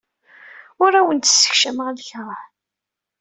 Ur awent-ssekcameɣ lkeṛh.